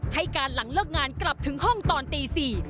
ให้การหลังเลิกงานกลับถึงห้องตอนตี๔